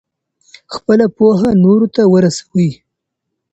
خپله پوهه نورو ته ورسوئ.